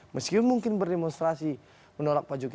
meskipun mungkin berdemonstrasi menolak pak jokowi